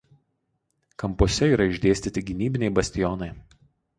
Kampuose yra išdėstyti gynybiniai bastionai.